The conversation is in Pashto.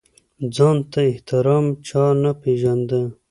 ځان ته احترام چا نه پېژانده.